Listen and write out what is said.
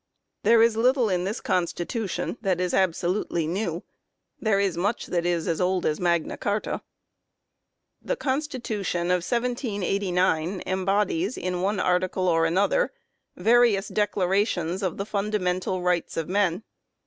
There is little in this Constitution that is ab solutely new. There is much that is as old as Magna Carta." 3 The Constitution of 1789 embodies, in one article or another, various declarations of the fundamental rights of men.